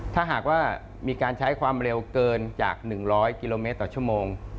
ถ้าหากว่ามีการใช้ความเร็วเกินจาก๑๐๐กิโลเมตรต่อชั่วโมง